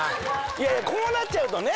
いやいやこうなっちゃうとね。